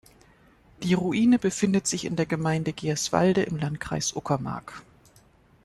Die Ruine befindet sich in der Gemeinde Gerswalde im Landkreis Uckermark.